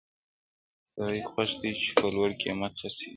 سړی خوښ دی چي په لوړ قېمت خرڅېږي.